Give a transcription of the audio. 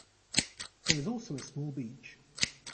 There is also a small beach.